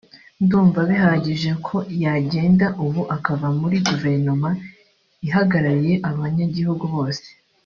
ndumva bihagije ko yagenda ubu akava muri guverinoma ihagarariye abanyagihugu bose